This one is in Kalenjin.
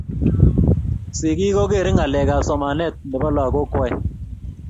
sikik ko keree ngalek ab somanet ne bo lakok kwai